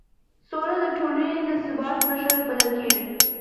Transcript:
سوله د ټولنې د ثبات نښه بلل کېږي